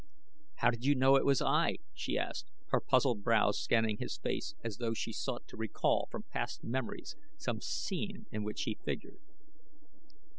"How did you know it was I?" she asked, her puzzled brows scanning his face as though she sought to recall from past memories some scene in which he figured.